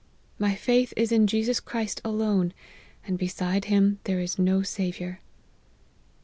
My faith is in Jesus Christ alone, and beside him there is no Saviour.